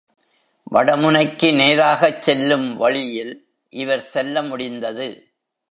வட முனைக்கு நேராகச் செல்லும் வழியில் இவர் செல்ல முடிந்தது.